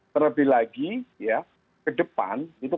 terlebih lagi ya ke depan itu